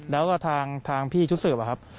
แล้วก็ทางพี่ชุดสืบอะครับ